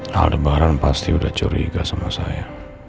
hal debaran pasti udah curiga sama saya